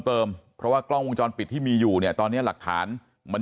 เพิ่มเติมเพราะว่ากล้องวงจรปิดที่มีอยู่เนี่ยตอนนี้หลักฐานมัน